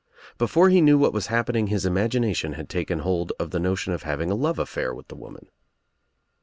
Before he knew what was happening his imagination had taken hold of the notion of having a iove affair with the woman.